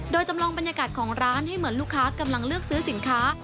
โดยจำลองบรรยากาศของร้านให้เหมือนลูกค้ากำลังเลือกซื้อสินค้า